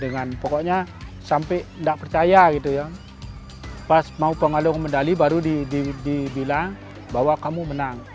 dengan pokoknya sampai nggak percaya gitu ya pas mau pengalung medali baru dibilang bahwa kamu menang